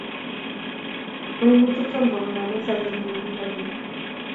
Maimuchi Tom kongalale sobenyi nekibo keny